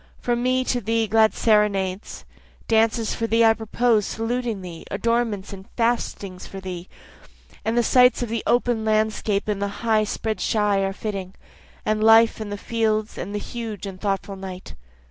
From me to thee glad serenades, Dances for thee I propose saluting thee, adornments and feastings for thee, And the sights of the open landscape and the high spread shy are fitting, And life and the fields, and the huge and thoughtful night.